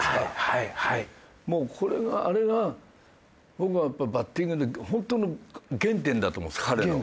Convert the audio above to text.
もうこれがあれが僕はバッティングの本当の原点だと思うんです彼の。